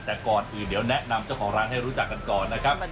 แต่ก่อนอื่นเดี๋ยวแนะนำเจ้าของร้านให้รู้จักกันก่อนนะครับ